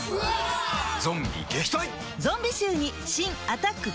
ゾンビ撃退！